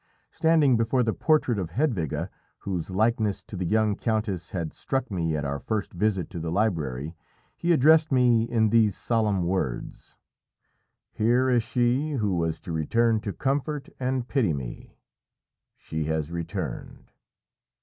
Standing before the portrait of Hedwige, whose likeness to the young countess had struck me at our first visit to the library, he addressed me in these solemn words: "Here is she who was to return to comfort and pity me! She has returned!